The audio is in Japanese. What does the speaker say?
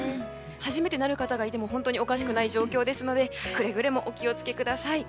初めてなる方がいてもおかしくない状況ですのでくれぐれもお気を付けください。